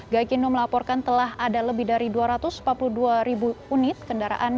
gaikindo melaporkan telah ada lebih dari dua ratus empat puluh dua ribu unit kendaraan